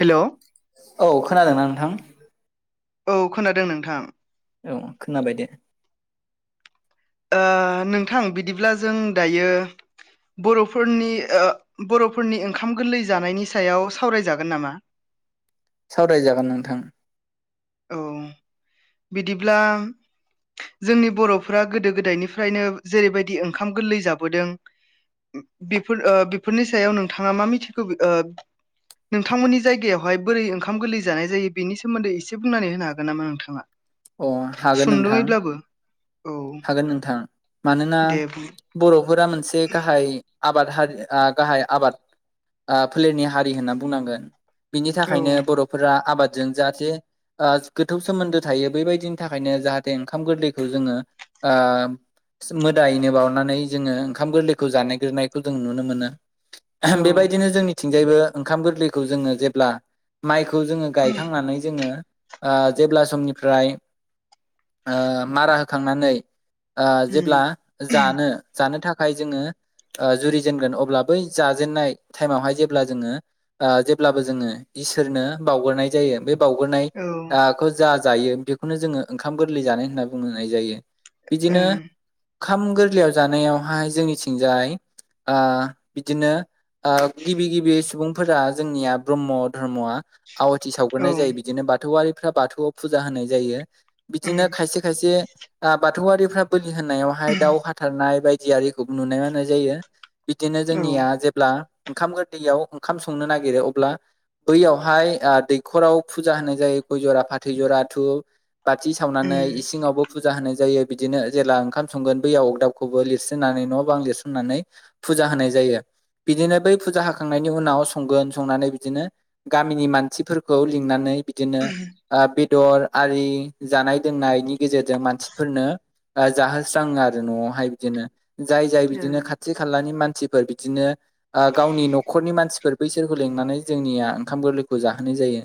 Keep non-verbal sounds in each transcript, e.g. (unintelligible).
Hello औ खोनादोंना नोंथां औ खोनादों नोंथां औ खोनाबाय दे ओ नोंथां बिदिब्ला जों दायो बर'फोरनि ओ बर'फोरनि ओंखाम गोरलै जानायनि सायाव सावरायजागोन नामा? (inaudible) सावरायजागोन नोंथां औ बिदिब्ला जोंनि बर'फोरा गोदो गोदायनिफ्रायनो जेरैबायदि ओंखाम गोरलै जाबोदों बेफोर ओ बेफोरनि सायाव नोंथाङा मा मिथिगौ ओ नोंथांमोननि जायगायावहाय बोरै ओंखाम गोरलै जानाय जायो बेनि सोमोन्दै एसे बुंनानै होनो हागोन नामा नोंथाङा? अ हागोन नोंथां सुंद'यैब्लाबो औ हागोन नोंथां मानोना दे बुं बर'फोरा मोनसे गाहाय आबाद हारि आ गाहाय आबाद आ फोलेरनि हारि होनना बुंनांगोन बिनि औ थाखायनो बर'फोरा आबाद जों जाहाथे आ गोथौ सोमोन्दो थायो बेबायदिनि थाखायनो जाहाथे ओंखाम गोरलैखौ जोङो ओ मोदायनो बावनानै जोङो ओंखाम गोरलैखौ जानायग्रोनायखौ जों नुनो मोनो औ आहाम बेबायदिनो जोंनिथिंजायबो ओंखाम गोरलैखौ जोङो जेब्ला माइख खौ जोङो गायखांनानै जोङो आ जेब्ला समनिफ्राय आ मारा होखांनानै ओ जेब्ला उम जानो जानो थाखाय जोङो ओ जुरिजेनगोन अब्ला बै जाजेननाय टाइमावहाय जेब्ला जोङो ओ जेब्लाबो जोङो इसोरनो बावगोरनाय जायो बे बावउगोरनाय औ आखौ जा जायो बेखौनो जोङो ओंखाम गोरलै जानाय होनना बुंनाय जायो बिदिनो ओं खाम गोरलैयाव जानायावहाय जोंनिथिंजाय आ बिदिनो आ गिबि गिबि सुबुंफोरा जोंनिया ब्रम्ह धर्मआ आवाथि सावग्रोनाय औ जायो बिदिनो बाथौआरिफ्रा बाथौआव फुजा होनाय जायो उम बिदिनो खायसे खायसे आ बाथौआरिफ्रा बोलि होननायावहाय दाउ हाथारनाय बायदि आरिखौ नुनो मोन्नाय जायो बिदिनो औ जोंनिया जेब्ला ओंखाम गोरलैयाव ओंखाम संनो नागिरो अब्ला बैयावहाय ओ दैखराव फुजा होनाय जायो गय जरा फाथै जराथु बाथि सावनानै उम इसिङावबो फुजा होनो। बिदिनो जेला ओंखाम संगोन बैयाव अगदाबखौबो लिरसनानै न' बां लिरसनानै फुजा होनाय जायो। जै (inaudible) बिदिनो बै फुजा हाखांनायनि उनाव संगोन संनानै बिदिनो गामिनि मानसिफोरखौ लिंनानै बिदिनो आ बेदर आरि जानाय लोंनायनि गेजेरजों मानसि- फोरनो जाहोस्राङो आरो न'आवहाय बिदिनो जाय जाय बिदिनो खाथि खालानि मानसि सोरबा बिदिनो गावनि न'खरनि मानसिफोर बैसोरखौ लेंनानै जोंनिया ओंखाम गोरलैखौ जोनो जायो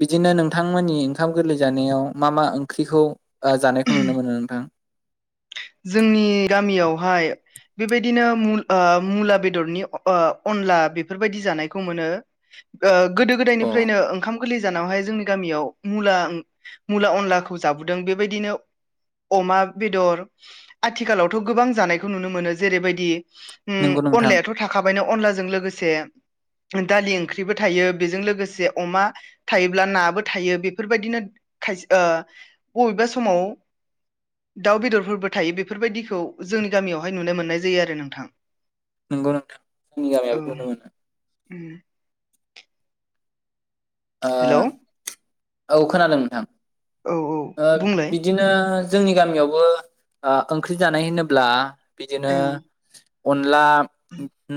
बिदिनो नोंथांमोननि ओंखाम गोरलै जानायाव मा मा ओंख्रिखौ आं जानायखौ नुनो मोनो नोंथां? जोंनि गामियावहाय बेबायदिनो मु ओ मुला बेदरनि ओ अनला बेफोरबायदि जानायखौ मोनो। ओ गोदो - अ गोदायनिफ्रायनो ओंखाम- गोरलै जानावहाय जोंनि गामियाव मुला मुला अनलाखौ जाबोदों बेबायदिनो अमा बेदर आथिखालावथ' गोबां जानायखौ नुनो मोनो जेरैबायदि- उ नंगौ नोंथां अनलायाथ' थाखाबायनो अनलाजों लोगोसे। दालि ओंख्रिबो थायो बेजों लोगोसे अमा थायोब्ला नाबो थायो बेफोरबायदिनो। खायसे ओ बबेबा समाव दाउ बेदरफोरबो थायो बेफोरबायदिखौ जोंनि गामियावहाय नुनो मोननाय जायो आरो नोंथां। नंगौ नोंथां (unintelligible) औ मोनो ओ हेल' औ औ खोनादों नोंथां औ ओ बुंलाय बिदिनो जोंनि गामियावबो ओ ओंख्रि जानाय होनोब्ला बिदिनो ओं अन अनला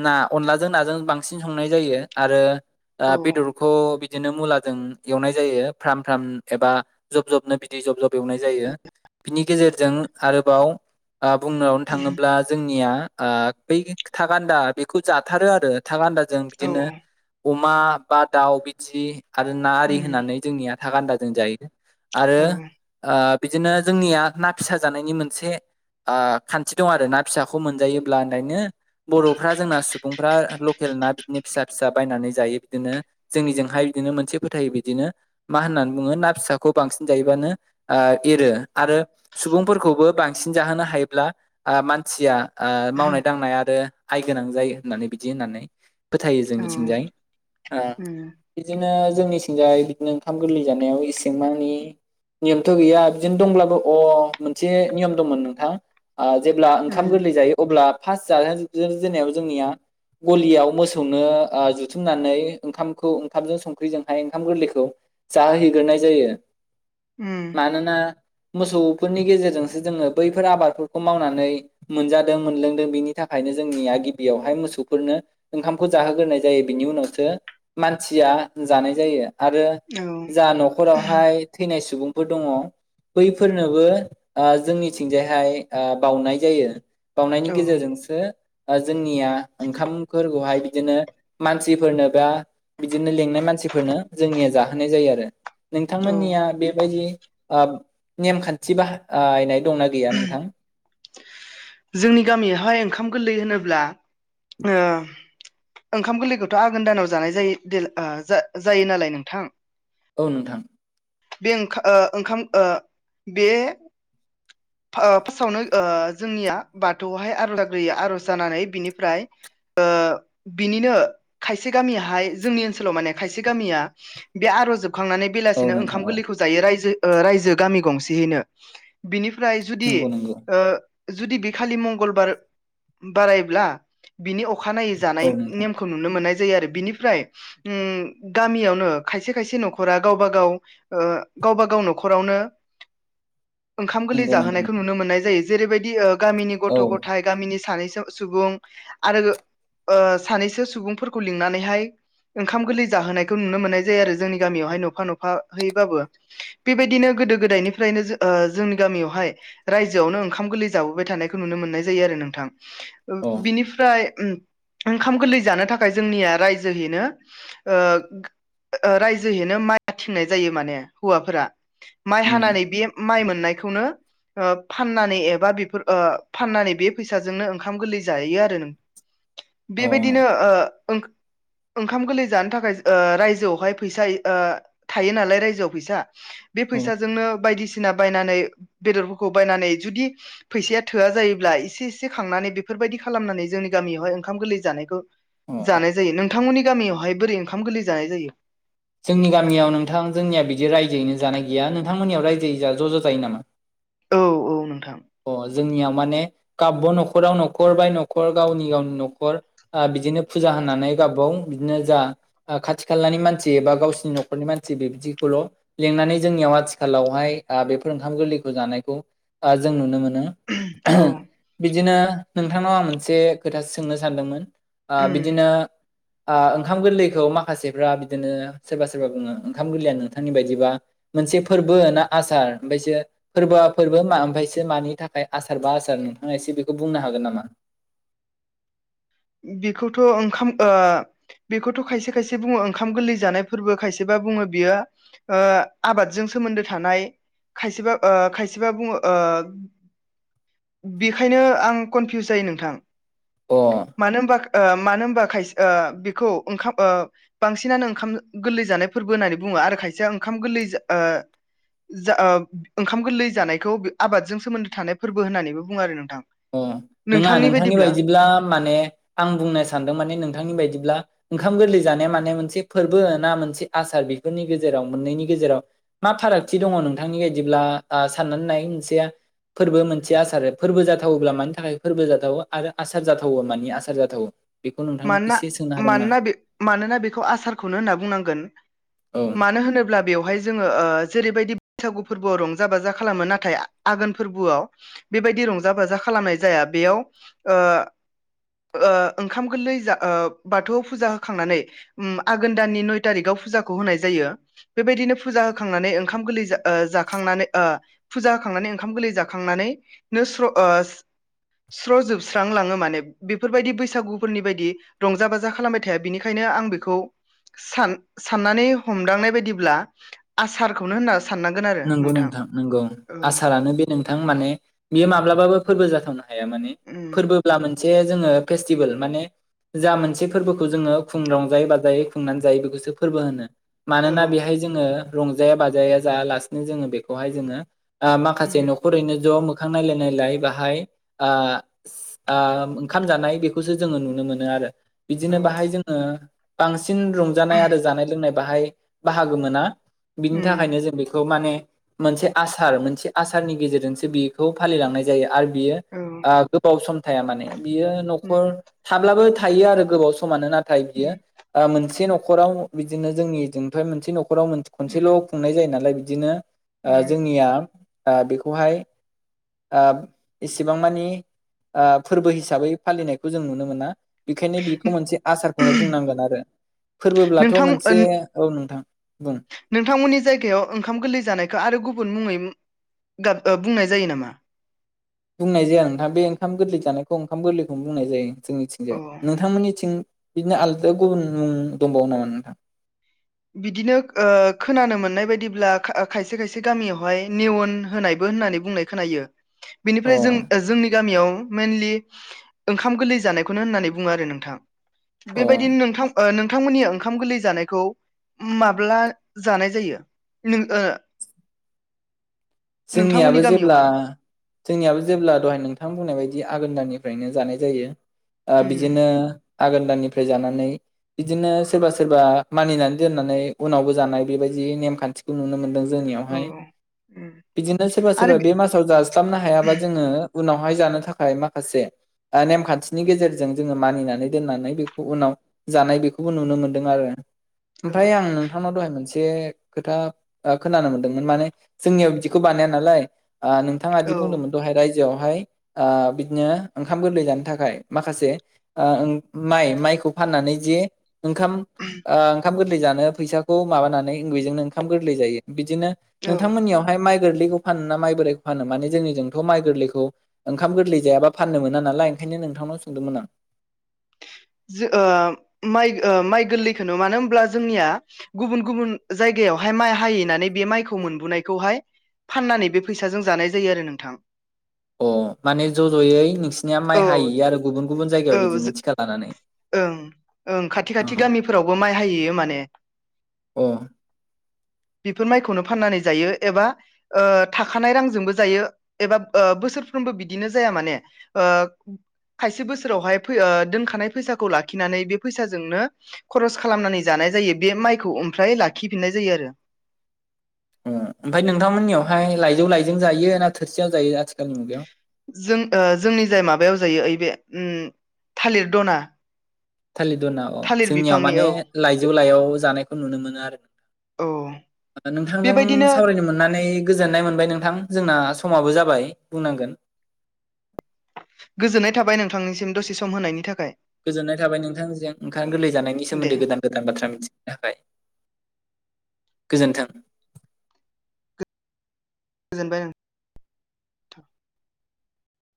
ना अनलाजों नाजों बांसिन संनाय जायो आरो। औ बेदरखौ बिदिनो मुलाजों एवनाय जायो। फ्रम फ्राम एबा जब जबनो बिदि जब जब एवनाय जायो बिनि गेजेरजों आरोबाव बुंनायावनो थाङोब्ला जोंनिया बै था गान्दा बेखौ जाथारो आरो थाख गान्दाजों औ बिदिनो अम मा बा दाउ बिथि आरो ना आरि उम होननानै जोंनिया थाखा गान्दाजों जायो। आरो औ बिदिनो जोंनिया ना फिसा जानायनि मोनसे खान्थि दं आरो ना फिसाखौ मोनजायोब्लायनो बर'फ्रा जोंना सुबुंफ्रा लकेल ना बिदिनो फिसा फिसा बायनानै जायो बिदिनो जोंनिजोंहाय बिदिनो मोनसे फोथायो बिदिनो। मा होननानै बुङो ना फिसाखौ बांसिन जायोबानो एरो आरो सुबुंफोरखौबो बांसिन जाहोनो हायोब्ला मानसिया मावनाय दांनाय आरो आइ गोनां जायो होननानै बिदि होननानै फोथायो औ जोंनिथिंजाय, उम बिदिनो जोंनिथिंजाय बिदिनो ओंखाम गोरलै जानायाव इसेंमानि नियमथ' गैया बिदिनो दंब्लाबो अ मोनसे नियम दंमोन नोंथाङ। जेब्ला ओंखाम उम गोरलै जायो अब्ला फार्स्ट जाजेननायावनो जोंनिया। गलियाव मोसौनो जुथुमनानै ओंखामखौ ओंखामजों संख्रिजोंहाय ओंखाम गोरलैखौ। जाहोहैग्रोनाय जायो, उम मानोना? मोसौफोरनि गेजेरजोंसो जोङो बैफोर आबादफोरखौ मावनानै मोनजादों मोनलोंदों बिनि थाखाय। जोंनिया गिबियावहाय मोसौफोरनो ओंखामखौ जाहोग्रोनाय जायो बिनि उनावसो मानसिया। जानाय जायो आरो औ जा न'खरहावहाय थैनाय सुबुं फोर दङ बैफोरनोबो जोंनिथिंजायहाय बाउनाय जायो। बावनायनि औ गेजेरजोंसो जोंनिया ओंखामफोरखौहाय बिदिनो मानसिफोरनोबा बिदिनो लेंनाय मानसिफोरनो जोंनिया जाहोनाय जायो आरो। औ नोंथांमोननिया बेबायदि नेमखान्थि बाहनाय दंना गैया नोंथां? जोंनि गामियावहाय ओंखाम गोरलै होनोब्ला ओ ओंखाम गोरलैखौथ' आघोन दानाव जानाय जायो जायो नालाय नोंथां औ नोंथां बे ओं ओ ओंखाम ओ बे ओ फार्स्टआवनो ओ जोंनिया बाथौआवहाय आर'ज जानानै बिनिफ्राय ओ बिनिनो खायसे गामियाहाय जोंनि ओनसोलाव माने खायसे गामिया बे आर'जोब खांनानै औ बेलासिनो नोंथां ओंखाम औ गोरलै जायो रायजोओ रायजो गामि गंसेनो बिनि फ्राय जुदि नंगौ नंगौ ओ जुदि बे खालि मंगलबार बारायब्ला बिनि अखा अखानायै जानाय औ नोंथां नेमखौ नुनो मोननाय जायो आरो बिनिफ्राय गामियावनो खायसे खायसे न'खरा गावबा गाव गावबागाव न'खरावनो ओंखाम गोरलै नंगौ नंगौ जाहोनायखौ नोंथां नुनो मोननाय जायो जेरैबायदि गामिनि औ गथ' गथाय गामिनि सानैसो सुबुं आरो ओ सानैसो सुबुंफोरखौ लिंनानैहाय ओंखाम गोरलै जाहोनायखौ नुनो मोननाय जायो आरो जोंनि गामियावहाय नफा नफा होयोबाबो बेबायदिनो गोदो गोदायनिफ्रायनो ओ जोंनि गामियावहाय रायजोआवनो ओंखाम गोरलै जाबोबाय थानायखौ नुनो मोननाय जायो आरो नोंथां ओ औ बिनिफ्राय ओम ओंखाम गोरलै जानो थाखाय जोंनिया रायजोहैनो ओ रायजोहैनो माइ हाथिंनाय जायो माने हौवाफोरा माइ उम हानानै बे माइ मोन नायखौनो फाननानै एबा बेफोर फाननानै बे फैसाजोंनो ओंखाम गोरलै जायो आरो नों अ बेबायदिनो ओ ओं ओंखाम गोरलै जानो थाखाय ओ रायजोआवहाय फैसा ओ थायो नालाय रायजोआव फैसा बे अ फैसाजोंनो बायदिसिना। बायनानै बेदरफोरखौ बायनानै जुदि फैसाया थोआ जायोब्ला इसे इसे खांनानै बेफोरबायदि। खालामनानै जोंनि गामियावहाय ओंखाम गोरलै जानायखौ। अ जानाय जायो नोंथांमोननि गामियावहाय बोरै ओंखाम गोरलै जानाय जायो। जोंनि गामियाव नोंथां जोंनिया बिदि रायजोयैनो जानाय गैया नोंथांमोननियाव रायजोयै ज' ज' जायो नामा। औ औ नोंथां। अ जोंनियाव माने गाब न'खराव न'खर बाय न'खर गावनि गावनि न'खर ओ बिदिनो फुजा‌। होनानै गावबागाव बिदिनो जा खाथि खानि मानसि। बा गावसिनि न'खरनि मानसि बेदिखौल' लिंनानै जोंनियाव आथिखालावहाय बेफोर ओंखाम गोरलैखौ। जानायखौ ओ जों नुनो मोनो। औ बिदिनो नोंथांनाव आं मोनसे खोथा सोंनो सानदोंमोन। ओ उम बिदिनो ओ ओंखाम गोरलैखौ माखासेफ्रा बि। बिदिनो सोरबा सोरबा बुङो ओंखाम गोरलैया नोंथांनि बायदिबा मोनसे फोरबो ना आसार ओमफ्रायसो। फोरबोआ फोरबो मा ओमफ्रायसो मानि थाखाय आसार बा आसार नोंथां एसे बेखौ बुंनो हागोन नामा। (inaudible) बेखौथ' ओंखाम ओ बेखौथ' खायसे खायसे बुङो ओंखाम गोरलै जानाय फोरबो खायसेबा। बुङो बियो आबादजों सोमोन्दो थानाय। खायसेबा ओ खायसेबा बुङो ओ बेखायनो आं कनफिउस जायो नोंथां। अ। मानो होनबा ओ मानो होनबा खायसे ओ बेखौ ओ ओंखाम बांसिनानो ओंखाम गोरलै जानाय। फोरबो होननानै बुङो आरो खायसेया ओंखाम गोरलै ओ। जा ओ ओंखाम गोरलै जानायखौ आबादजों सोमोन्दो थानाय फोरबो होननानैबो बुङो आरो नों। अ नङा नोंथांनि बायदिब्ला माने। आं बुंनो सानदों माने नोंथांनि बायदिब्ला ओंखाम गोरलै जानाया माने मोनसे फोरबो ना मोनसे आसार। बेफोरनि गेजेराव मोननैनि गेजेराव मा फारागथि दङ नोंथांनि बायदिब्ला साननानै नाय मोनसेया। फोरबो मोनसे आसार फोरबो जाहाथे जाथावोब्ला मानि थाखाय फोरबो जाथावो आरो आसार जाथावो मानि आसार जाथावो। बेखौ नोंथांनाव मानोना एसे सोंनो हादोंमोन आं मानोना बे मानोना बेखौ आसारखौनो होनना बुंनांगोन। औ मानो होनोब्ला बेवहाय। जोङो ओ जेरैबायदि बैसागु फोरबोआव रंजा बाजा खालामो नाथाय आघोन फोरबोआव बेबायदि। रंजा बाजा खालामनाय जाया बेयाव ओ ओ ओंखाम। गोरलै ओ बाथौआव फुजा होखांनानै आघोन दाननि नय थारिकाव फुजाखौ होनाय जायो। बेबायदिनो फुजा होखांनानै ओंखाम गोरलै जाखांनानै फुजा होखांनानै ओंखाम गोरलै जाखांनानै। ननैनो स्र ओ स्र जोबस्रां लाङो माने बेफोरबायदि बैसागु। फोरनि बायदि रंजा बाजा खालामबाय थाया बिनिखायनो आं बेखौ। सान साननानै हमदांनाय बायदिब्ला आसारखौनो होनना। साननांगोन आरो नंगौ नोंथां नंगौ औ आसारानो बे नोंथां माने बेयो माब्लाबाबो फोरबो जाथावना। हाया माने उम फोरबोब्ला मोनसे जोङो फेस्टिभेल माने। जा मोनसे फोरबोखौ जोङो खु़ रंजायै बाजायै खुंनानै जायो बेखौसो फोरबो होनो। औ मानोना बेहाय जोङो रंजाया बाजाया जायालासिनो जोङो बेखौहाय जोङो। ओ माखासे उम न'खरैनो ज' मो खां नायलाय नायलाय बाहाय ओंखाम जानाय बेखौसो जोङो नुनो मोनो आरो। औ बिदिनो बाहाय जोङो बांसिन रंजानाय आरो जानाय लोंनाय। बाहाय बाहागो मोना बिनि उम थाखायनो जों बेखौ। माने मोनसे आसार मोनसे आसारनि गेजेरजोंसो बेखौ फालिलांनाय जायो। आरो बियो औ गोबाव सम थाया माने बियो न'खर उम थाब्लाबो थायो आरो गोबाव समानो नाथाय बियो उम मोनसे न'खराव बिदिनो जोंनिजों मोनसे न' न'खराव उम खनसेल' खुंनाय जायो नालाय बिदिनो उम ओ जोंनिया ओ बेखौहाय इसेबां मानि फोरबो हिसाबै फालिनायखौ जों नुनो मोना। बेखायनो बेखौ मोनसे आसारखौनो बुंनांगोन आरो। फोरबोब्लाथ' नोंथां ओ मोनसे औ नोंथां बुं जागायाव ओंखार जानायखौ आरो गुबुन मुङै बुंनाय जायो नामा? बुंनाय जाया नोंथां बे ओंखाम गोरलै जानायखौ ओंखाम गोरलैखौनो बुंनाय जायो। जोंनिथिं अ जाय नोंथांमोननिथिं बिदिनो आलादायाव गुबुन मुं दंबावो नामा नोंथां? बिदिनो खोनानो मोननाय बायदिब्ला खायसे खायसे गामियावहाय नेउन होनायबो होननानै बुंनाय खोन अ बेनिफ्राय जों जोंनि गामियाव मइेनलि ओंखाम गोरलै जानायखौनो होननानै बुङो आरो नोंथां। अ बेबायदिनो नोंथां नोंथांमोननि ओंखाम गोरलै जानायखौ माब्ला जानाय जायो नों नोंथांमोननि जोंनियाबो जेब्ला गामियावहाय जोंनियाबो जेब्ला दहाय नोंथां बुंनाय बायदि बिदि आघोन दाननिफ्रायनो जानाय जायो उम बिदिनो आघोन दानानिफ्राय जानानै बिदिनो सोरबा सोरबा मानिनानै दोननानै उनावबो जानाय बेबायदि दि नेम खान्थिखौ नुनो मोनदों। औ जोंनियावहाय उम बिदिनो सोरबा आरो सोरबा बे मासाव जास्लाबनो हायाबा जोङो उनावहाय जानो थाखाय माखासे नेमखान्थिनि गेजेरजों जोङो मानिनानै दोननानै बेखौ उनाव जानाय बेखौबो नुनो मोन्दों आरो। औ ओमफ्राय आं नोंथांनाव दहाय मोनसे खोथा खोनानो मोनदोंमोन माने जोंनियाव बिदिखौ बानाया नालाय नोंथाङादि औ बुंदोंमोन दहाय रायजो बिदिनो ओंखाम गोरलै जानो थाखाय माखासे माइ खौ फाननानै जे ओंखाम ओ ओंखाम गोरलै जानो फैसाखौ माबानानै इ बेजोंनो ओंखाम गोरलै जायो बिदिनो औ बिथांमोननियावहाय माइ गोरलैखौ फान ना माइ बोराइखौ फानो मान जोंनिजोंथ' माइ गोरैखौ ओंखाम गोरलै जायाबा फाननो मोन नालाय। खायनो नोंथांनाव सोंदोंमोन आं। (inaudible) जो ओ माइ ओ गोरलैखोनो मानो होनब्ला जोंनिया गुबुन गुबुन जायगा यावहाय माइ हायैनानै बे माइखौ मोनबोनायखौहाय फाननानै बे फैसाजों जानाय जायो आरो नोंथां। अ माने ज' ज'यै नोंसिनिया औ माइ हायि आरो गुबुन गुबुन जायगायाव औ जो बिदिनो थिखा लानानै। ओं ओं खाथि अ खाथि गामिफोरावबो माइ हाहैयो माने अ (inaudible) बेफोर माइखौनो फाननानै जायो, एबा ओ थाखानाय रांजोंबो जायो एबा ओ बोसोरफ्रोम बो बिदिनो जाया माने ओ खायसे बोसोरावहाय फै ओ दोनखानाय फैसा खौ लाखिनानै बे फैसाजोंनो खरस खालामनानै जानाय जायो बे माइखौ ओमफ्राय लाखिफिननाय जायो आरो। (inaudible) उ ओमफ्राय नोंथांमोननियावहाय लाइजौ लायजों जायो ना थोरसियाव जायो आथिखालनि मुगायाव? जों ओ जोंनि जाय माबायाव जायो ओइ बे थालिर दना। थालिर दरना अ थालिर जोंनियाव बिफांनि माने औ लाइजौ लाइायाव जानायखौ नुनो मोनो आरो। औ नोंथांजों बेबायदिनो सावरायनो मोननानै गोजोननाय मोनबाय नोंथां जोंना स माबो जाबाय बुंनांगोन। गोजोननाय थाबाय नोंथांनिसिम दसे सम होनायनि थाख गोजोननाय थाबाय नोंथांजों ओंखां गोरलै जानायनि ओं दे सोमोन्दै गोदान गोदान बाथ्रा मिथिनो थाखाय। गोजोन्थों। गोजोनबाय ओं।